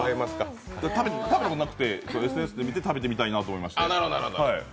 食べたことなくて、ＳＮＳで見て食べてみたいなと思いまして。